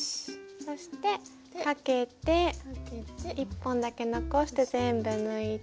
そしてかけて１本だけ残して全部抜いて。